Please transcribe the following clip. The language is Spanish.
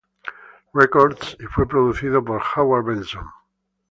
Records y fue producido por Howard Benson.